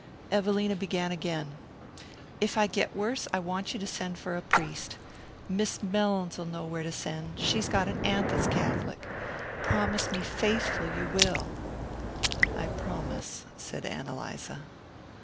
Evelina began again. "If I get worse I want you to send for a priest. Miss Mellins'll know where to send she's got an aunt that's a Catholic. Promise me faithful you will." "I promise," said Ann Eliza.